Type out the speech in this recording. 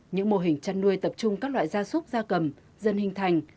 những mô hình chăn nuôi tập trung các loại da súc da cầm dân hình thành